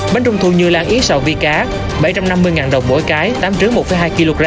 bánh trung thu như lan yến xào vi cá bảy trăm năm mươi đồng mỗi cái tám trứng một hai kg